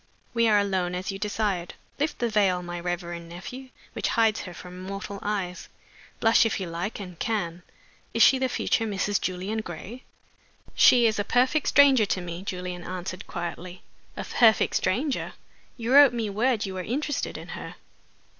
We are alone, as you desired. Lift the veil, my reverend nephew, which hides her from mortal eyes! Blush, if you like and can. Is she the future Mrs. Julian Gray?" "She is a perfect stranger to me," Julian answered, quietly. "A perfect stranger! You wrote me word you were interested in her."